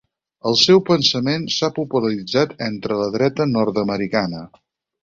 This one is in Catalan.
El seu pensament s'ha popularitzat entre la dreta nord-americana.